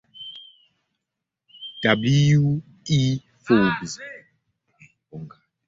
W. E. Forbes.